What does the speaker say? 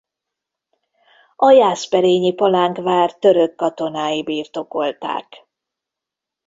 A jászberényi palánkvár török katonái birtokolták.